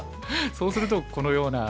そうするとこのような。